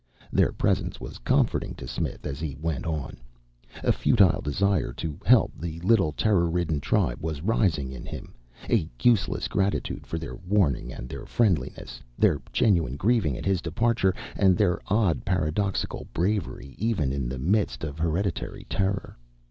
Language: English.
Their presence was comforting to Smith as he went on. A futile desire to help the little terror ridden tribe was rising in him, a useless gratitude for their warning and their friendliness, their genuine grieving at his departure and their odd, paradoxical bravery even in the midst of hereditary terror.